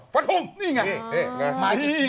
ฟะทุ่ม